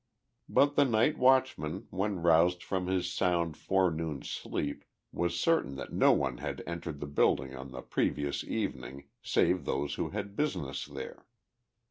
But the night watchman when roused from his sound forenoon's sleep was certain that no one had entered the building on the previous evening save those who had business there.